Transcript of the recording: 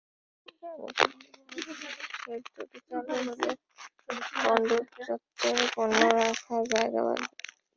ব্যবসায়ীরা বলছেন, শেড দুটি চালু হলে বন্দর চত্বরে পণ্য রাখার জায়গা বাড়বে।